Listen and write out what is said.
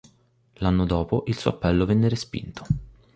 L'anno dopo il suo appello venne respinto.